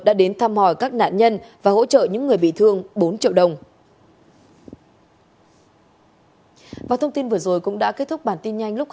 đã đến thăm hỏi các nạn nhân và hỗ trợ những người bị thương bốn triệu đồng